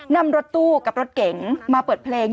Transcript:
นำรถตู้กับรถเก๋งมาเปิดเพลง